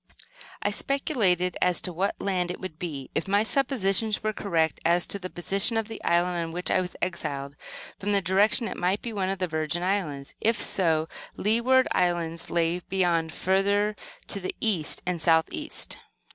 I speculated as to what land it would be. If my suppositions were correct as to the position of the island on which I was exiled, from the direction it might be one of the Virgin Islands. If so, the Leeward Islands lay beyond, further to the east and south east.